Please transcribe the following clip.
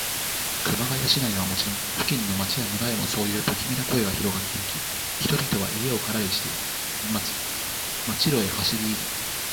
熊谷市内はもちろん、付近の町や村へも、そういうぶきみな声がひろがっていき、人々は家をからにして、街路へ走りいで、